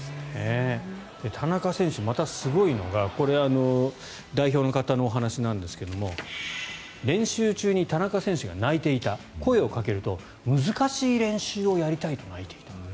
田中選手、またすごいのがこれは代表の方のお話ですが練習中に田中選手が泣いていた声をかけると難しい練習をやりたいと泣いていた。